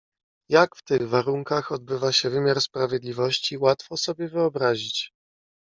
"Jak w tych warunkach odbywa się wymiar sprawiedliwości łatwo sobie wyobrazić."